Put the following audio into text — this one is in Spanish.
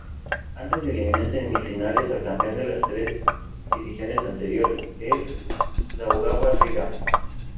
Antes eliminó en semifinales al campeón de las tres ediciones anteriores, el Daugava Riga.